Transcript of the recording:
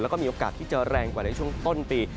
แล้วก็มีโอกาสที่จะแรงกว่าในช่วงต้นปี